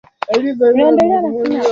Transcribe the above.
wangafikiana kuunda serikali ya pamoja